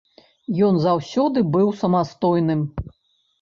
Ён заўсёды быў самастойным.